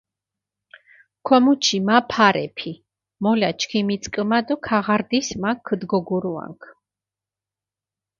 ქომუჩი მა ფარეფი, მოლა ჩქიმიწკჷმა დო ქაღარდის მა ქდჷგოგურუანქ.